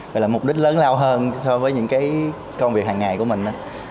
vậy là mục đích lớn lao hơn so với những cái công việc hàng ngày của mình